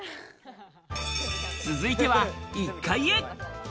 続いては１階へ。